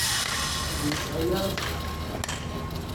Ur nesɛi ara ẓẓher.